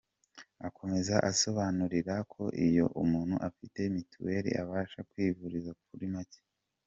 Akomeza abasobanurira ko iyo umuntu afite mitiweli abasha kwivuriza kuri make.